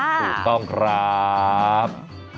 ถูกต้องครับ